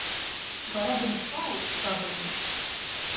Бара бымсааит, бабагьы.